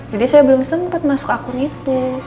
jadi saya belum sempat masuk akun itu